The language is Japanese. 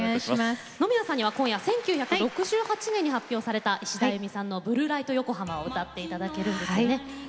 野宮さんには今夜１９６８年に発表されたいしだあゆみさんの「ブルー・ライト・ヨコハマ」を歌って頂けるんですよね。